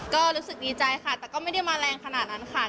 ก็รู้สึกดีใจค่ะแต่ก็ไม่ได้มาแรงขนาดนั้นค่ะ